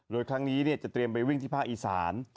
โดยครั้งนี้จะเตรียมไปวิ่งที่ภาคอีสาน